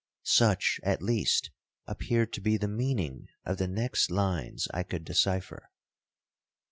Such, at least, appeared to be the meaning of the next lines I could decypher.